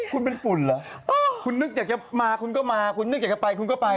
คุณเป็นฝุ่นเหรอคุณนึกอยากจะมาคุณก็มาคุณนึกอยากจะไปคุณก็ไป